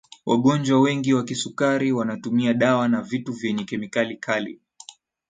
wagonjwa wengi wa kisukari wanatumia dawa na vitu vyenye kemikali kali